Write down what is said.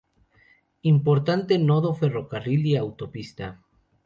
Importante nodo ferrocarril y autopista.